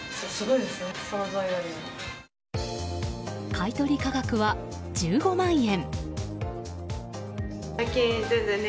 買い取り価格は、１５万円。